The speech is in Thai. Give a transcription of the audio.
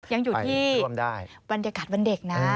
ยังอยู่ที่วันยากาศวันเด็กนะ